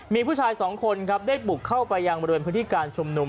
มีผู้ชายสองคนครับได้บุกเข้าไปยังบริเวณพื้นที่การชุมนุม